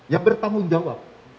yang bertanggung jawab